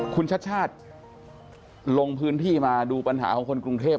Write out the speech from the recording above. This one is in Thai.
คุณชัดชาติลงพื้นที่มาดูปัญหาของคนกรุงเทพ